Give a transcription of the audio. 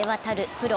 プロ